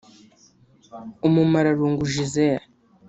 Umumararungu Gisele